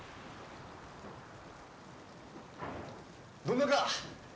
どんなか？